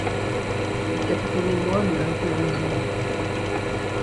Le capitaine et moi, nous l’interrogeons. ..